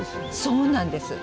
そうなんです。